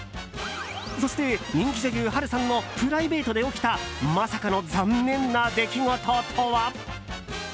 そして、人気女優・波瑠さんのプライベートで起きたまさかの残念な出来事とは？